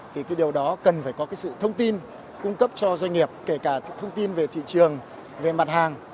thì cái điều đó cần phải có cái sự thông tin cung cấp cho doanh nghiệp kể cả thông tin về thị trường về mặt hàng